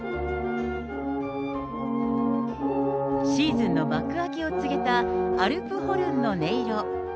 シーズンの幕開けを告げたホルンの音色。